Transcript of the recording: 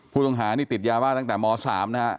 ผู้ต้องหานี่ติดยาบ้าตั้งแต่ม๓นะฮะ